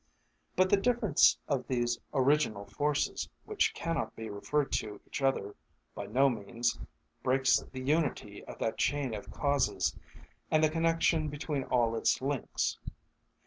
But the difference of these original forces, which cannot be referred to each other, by no means breaks the unity of that chain of causes, and the connection between all its links.